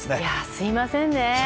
すいませんね。